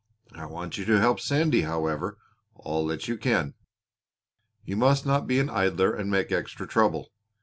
I want you to help Sandy, however, all that you can. You must not be an idler and make extra trouble.